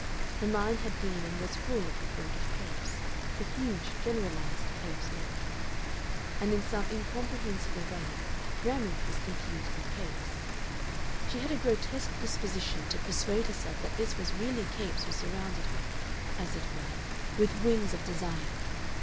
Her mind had been and was full of the thought of Capes, a huge generalized Capes lover. And in some incomprehensible way, Ramage was confused with Capes; she had a grotesque disposition to persuade herself that this was really Capes who surrounded her, as it were, with wings of desire.